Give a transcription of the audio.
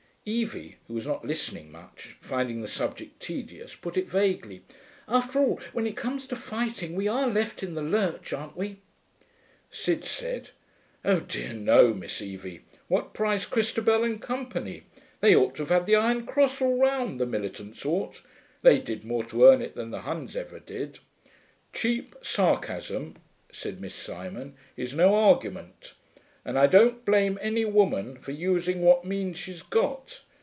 Evie, who was not listening much, finding the subject tedious, put in vaguely, 'After all, when it comes to fighting, we are left in the lurch, aren't we?' Sid said, 'Oh dear no, Miss Evie. What price Christabel and Co.? They ought to have had the iron cross all round, the militants ought. They did more to earn it than the Huns ever did.' 'Cheap sarcasm,' said Miss Simon, 'is no argument. And I don't blame any woman for using what means she's got.